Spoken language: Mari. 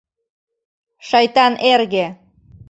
Шайтан эрге!